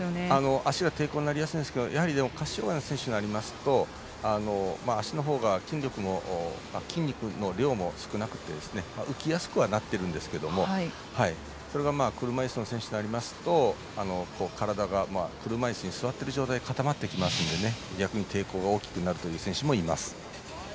足は抵抗になりやすいんですが下肢障がいの選手になりますと足のほうが筋肉の量も少なくて浮きやすくはなっているんですけれどもそれが車いすの選手になりますと体が車いすに座っている状態で固まってきますので逆に抵抗が大きくなるという選手もいます。